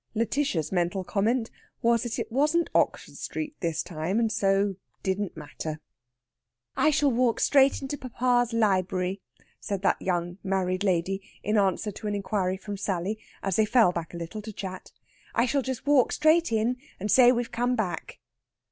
Lætitia's mental comment was that it wasn't Oxford Street this time, and so it didn't matter. "I shall walk straight into papa's library," said that young married lady in answer to an inquiry from Sally, as they fell back a little to chat. "I shall just walk straight in and say we've come back."